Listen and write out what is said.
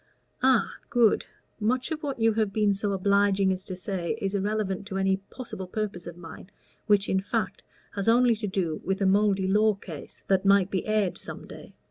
"Ah good. Much of what you have been so obliging as to say is irrelevant to any possible purpose of mine, which, in fact, has only to do with a mouldy law case that might be aired some day.